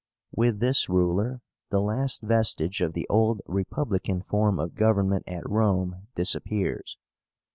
With this ruler, the last vestige of the old republican form of government at Rome disappears.